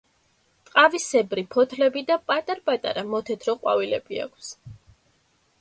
ტყავისებრი ფოთლები და პატარ-პატარა მოთეთრო ყვავილები აქვს.